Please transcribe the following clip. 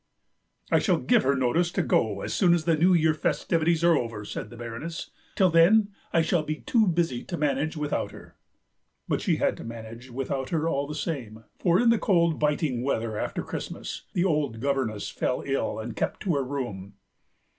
"I shall give her notice to go as soon as the New Year festivities are over," said the Baroness; "till then I shall be too busy to manage without her." But she had to manage without her all the same, for in the cold biting weather after Christmas, the old governess fell ill and kept to her room.